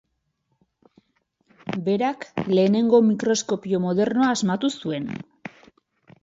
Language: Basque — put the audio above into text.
Berak lehenengo mikroskopio modernoa asmatu zuen.